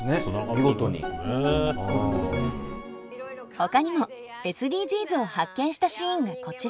ほかにもＳＤＧｓを発見したシーンがこちら。